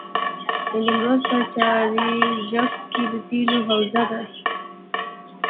د نیمروز په چاربرجک کې د تیلو حوزه ده.